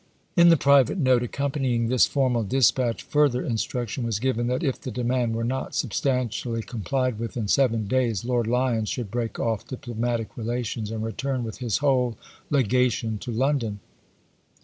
In the private note accompanying this formal dispatch further instruction was given, that if the demand were not substantially complied with in seven days, Lord Lyons should break off diplo matic relations and return with his whole legation to London.